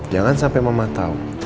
jangan sampai mama tahu